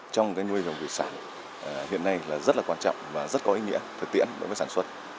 trong cái nuôi hồng vị sản hiện nay là rất là quan trọng và rất có ý nghĩa thực tiễn với sản xuất